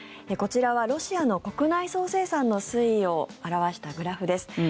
こちらはロシアの国内総生産の推移を表したグラフです。